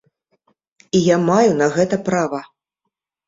І я маю на гэта права!